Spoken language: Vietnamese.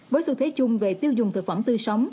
với xu thế chung về tiêu dùng thực phẩm tươi sống